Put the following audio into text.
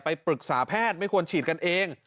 ปรึกษาแพทย์ไม่ควรฉีดกันเอง